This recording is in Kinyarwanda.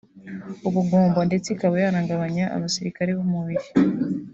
ubugumba ndetse ikaba yanagabanya abasirikare b’umubiri